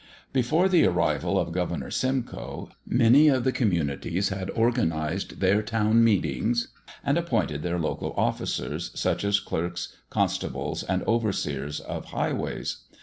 Before the arrival of Governor Simcoe, many of the communities had organized their town meetings and appointed their local officers, such as clerks, constables, and overseers of highways.